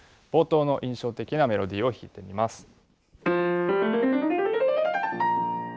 冒頭の印象的なメロディーを弾いてみます。